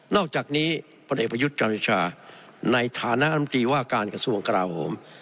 อกจากนี้พลเอกประยุทธ์จันโอชาในฐานะลำตีว่าการกระทรวงกราโหม